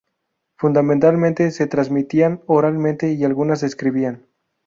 Fundamentalmente se transmitían oralmente y algunas se escribían.